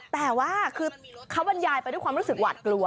แต่ว่าคือเขาบรรยายไปด้วยความรู้สึกหวาดกลัว